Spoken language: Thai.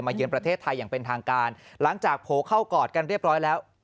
เยือนประเทศไทยอย่างเป็นทางการหลังจากโผล่เข้ากอดกันเรียบร้อยแล้ว